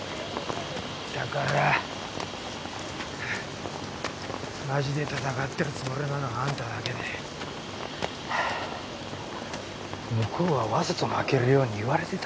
だからマジで闘ってるつもりなのはあんただけで向こうはわざと負けるように言われてたんですよ。